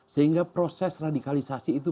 sehingga proses radikalisasi itu